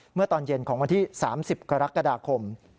เมื่อตอนเย็นของวันที่๓๐กรกฎาคม